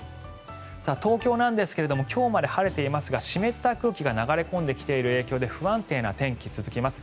東京なんですが今日まで晴れていますが湿った空気が流れ込んできている影響で不安定な天気が続きます。